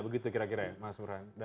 begitu kira kira ya mas burhan